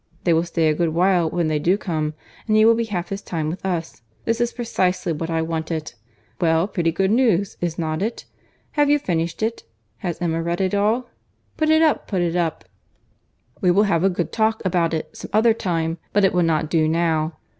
They will stay a good while when they do come, and he will be half his time with us. This is precisely what I wanted. Well, pretty good news, is not it? Have you finished it? Has Emma read it all? Put it up, put it up; we will have a good talk about it some other time, but it will not do now.